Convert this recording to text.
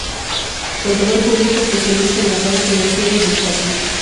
Contador público, especialista en la rama financiera y bursátil.